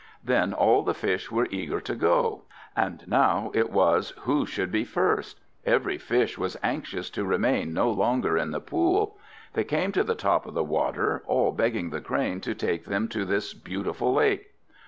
Then all the Fish were eager to go. And now it was who should be first; every Fish was anxious to remain no longer in the pool. They came to the top of the water, all begging the Crane to take them to this beautiful lake.